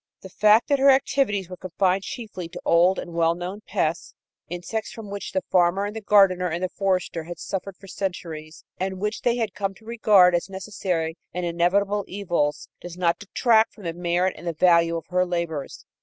The fact that her activities were confined chiefly to old and well known pests insects from which the farmer and the gardener and the forester had suffered for centuries, and which they had come to regard as necessary and inevitable evils does not detract from the merit and the value of her labors.